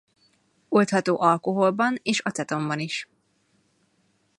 Oldható alkoholban és acetonban is.